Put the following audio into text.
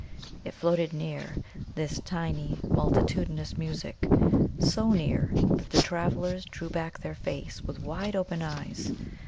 It floated near, this tiny, multitudinous music so near that the travellers drew back their face with wide open eyes.